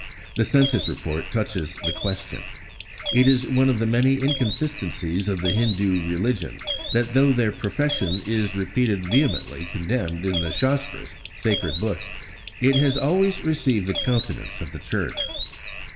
The Census Report touches the question: "It is one of the many inconsistencies of the Hindu religion, that though their profession is repeatedly vehemently condemned in the Shastras (sacred books), it has always received the countenance of the Church."